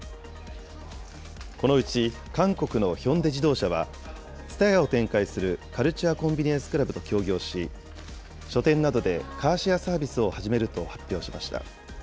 このうち韓国のヒョンデ自動車は、ＴＳＵＴＡＹＡを展開するカルチュア・コンビニエンス・クラブと協業し、書店などでカーシェアサービスを始めると発表しました。